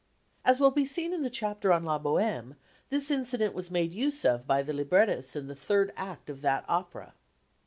As will be seen in the chapter on La Bohème, this incident was made use of by the librettists in the third act of that opera.